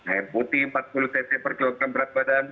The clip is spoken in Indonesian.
air putih empat puluh cc per kilogram berat badan